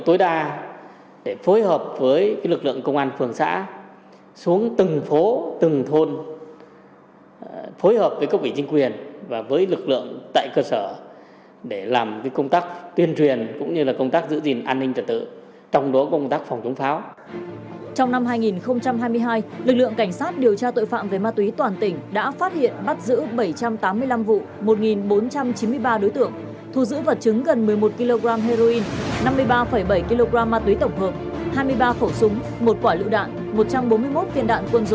tội phạm giữ vũ khí tổng hợp hai mươi ba khẩu súng một quả lựu đạn một trăm bốn mươi một tiền đạn quân dụng